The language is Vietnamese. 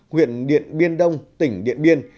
huyện điện biên đông tỉnh điện biên